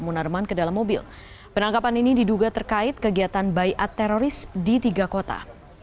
munarman ke dalam mobil penangkapan ini diduga terkait kegiatan bayat teroris di tiga kota